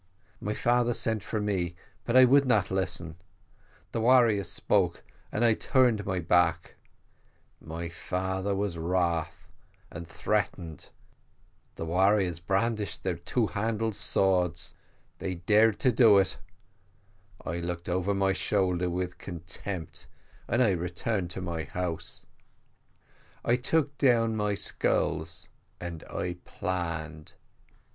My father sent for me, but I would not listen; the warriors spoke, and I turned my back: my father was wroth and threatened, the warriors brandished their two handed swords they dared to do it; I looked over my shoulder with contempt, and I returned to my house. I took down my skulls, and I planned.